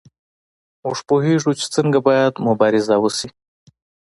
موږ پوهیږو چې څنګه باید مبارزه وشي.